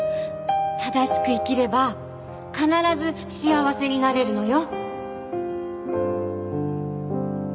正しく生きれば必ず幸せになれるのよ。